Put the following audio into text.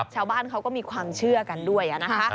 ชาวบ้านเขาก็มีความเชื่อกันด้วยนะคะ